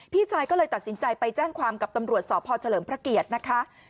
พี่ชายก็เลยตัดสินใจไปแจ้งความกับตำรวจสพเฉลิมพระเกียรตินะคะ